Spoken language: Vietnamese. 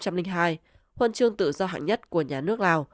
huân chương tự do hạng nhất của nhà nước lào